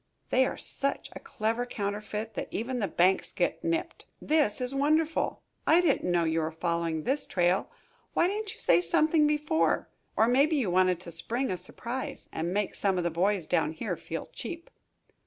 They are such a clever counterfeit that even the banks get nipped. This is wonderful! I didn't know you were following this trail. Why didn't you say something before? Or maybe you wanted to spring a surprise, and make some of the boys, down here feel cheap."